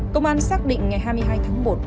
công an xác định ngày hai mươi hai tháng một